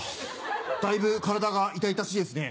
だいぶ体が痛々しいですね。